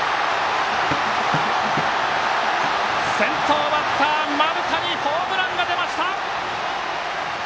先頭バッター丸田にホームランが出ました！